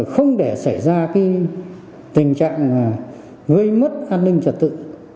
không để xảy ra tình trạng gây mất an ninh trật tự